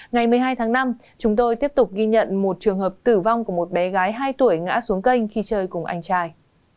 ngày một mươi hai tháng năm chúng tôi tiếp tục ghi nhận một trường hợp tử vong của một bé gái hai tuổi ngã xuống kênh khi chơi cùng anh trai